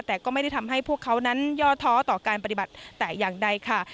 แต่ก็ไม่ได้ทำให้พวกเขานั้นย่อท้อต่อการปฏิบัติแต่อย่างใดค่ะ